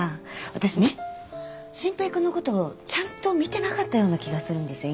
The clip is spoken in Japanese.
私ね真平君のことをちゃんと見てなかったような気がするんですよ